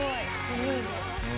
スムーズ。